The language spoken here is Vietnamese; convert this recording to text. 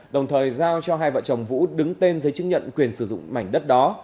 đồng thời giao cho hai vợ chồng vũ đứng tên giấy chứng nhận quyền sử dụng mảnh đất đó